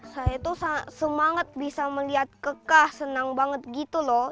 saya tuh semangat bisa melihat kekah senang banget gitu loh